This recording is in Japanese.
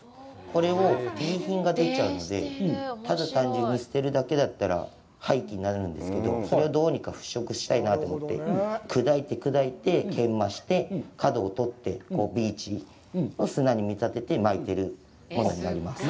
これはＢ品が出ちゃうので、ただ単純に捨てるだけだったら廃棄になるんですけど、それをどうにか払拭したいなと思って、砕いて砕いて研磨して、角を取って、ビーチの砂に見たててまいてるものになります。